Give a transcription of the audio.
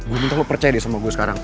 gue minta lo percaya deh sama gue sekarang